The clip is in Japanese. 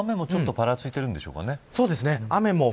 雨もちょっとぱらついているんでしょうかね。